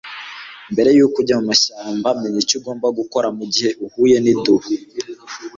Mbere yuko ujya gutembera mumashyamba menya icyo ugomba gukora mugihe uhuye nidubu